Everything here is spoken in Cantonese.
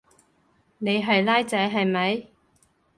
你係孻仔係咪？